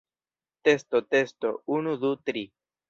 Testo testo, unu, du, tri.